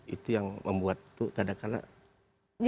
itu yang membuat itu kadang kadang